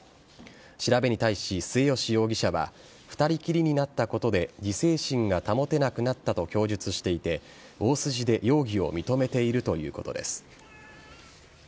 調べに対し、末吉容疑者は２人きりになったことで自制心が保てなくなったと供述していて大筋で容疑を認めているということです。